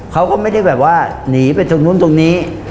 เขาก็ไม่ได้แบบว่าหนีไปตรงนู้นตรงนี้